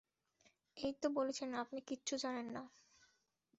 এইতো বলছিলেন, আপনি কিচ্ছু জানেন না।